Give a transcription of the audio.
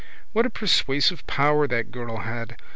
What a persuasive power that girl had!